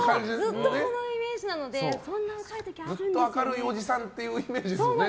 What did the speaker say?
ずっとこのイメージなのでずっと明るいおじさんっていうイメージですよね。